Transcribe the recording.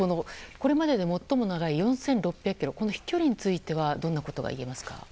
これまでで最も長い４６００ｋｍこの飛距離についてはどんなことがいえますか？